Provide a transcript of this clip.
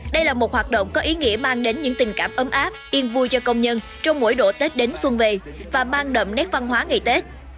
đây là một hoạt động có ý nghĩa mang đến những tình cảm ấm áp yên vui cho công nhân trong mỗi độ tết đến xuân về và mang đậm nét văn hóa ngày tết